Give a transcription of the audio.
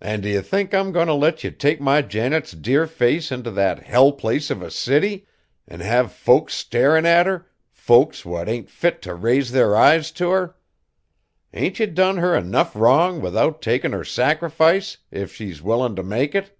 An' do ye think I'm goin' t' let ye take my Janet's dear face int' that hell place of a city; an' have folks starin' at her, folks what ain't fit t' raise their eyes t' her? Ain't ye done her enough wrong without takin' her sacrifice, if she's willin' t' make it?"